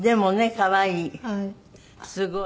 可愛い。